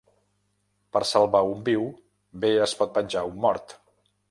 Per salvar un viu, bé es pot penjar un mort.